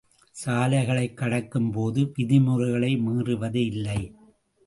சாலைகளைக் கடக்கும் போது விதிமுறைகளை மீறுவது இல்லை.